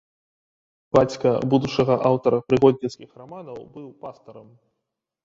Бацька будучага аўтара прыгодніцкіх раманаў быў пастарам.